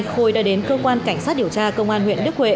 khôi đã đến cơ quan cảnh sát điều tra công an huyện đức huệ